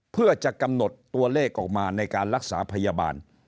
เพื่อจะกำหนดตัวเลขออกมาในการรักษาพยาบาล